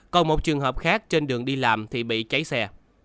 còn một trường hợp khác trên đường đi làm thì bị cháy xe